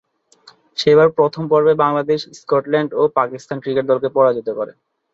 সেবার প্রথম পর্বে বাংলাদেশ স্কটল্যান্ড ও পাকিস্তান ক্রিকেট দলকে পরাজিত করে।